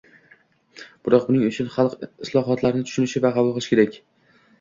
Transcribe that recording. Biroq buning uchun xalq islohotlarni tushunishi va qabul qilishi kerak.